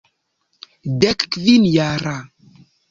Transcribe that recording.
Dekkvinjara.